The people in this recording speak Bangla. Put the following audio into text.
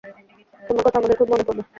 তোমার কথা আমাদের খুব মনে পড়বে।